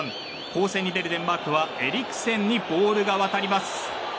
攻勢に出るデンマークはエリクセンにボールが渡ります。